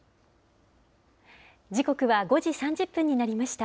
時刻は５時３０分になりました。